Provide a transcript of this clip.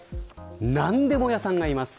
何でも屋さんがいます。